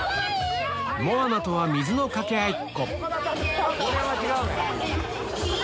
モアナとは水のかけ合いっこ